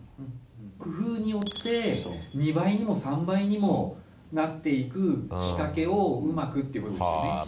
工夫によって２倍にも３倍にもなっていく仕掛けをうまくっていうことですよね。